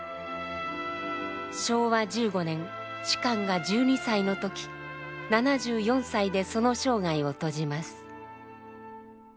昭和１５年芝が１２歳の時７４歳でその生涯を閉じます。